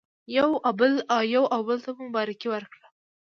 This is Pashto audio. یو او بل ته مو مبارکي ورکړه.